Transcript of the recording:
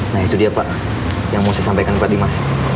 nah itu dia pak yang mau saya sampaikan tadi mas